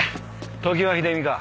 常盤秀美か？